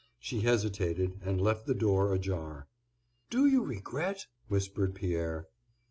She hesitated, and left the door ajar. "Do you regret?" whispered Pierre.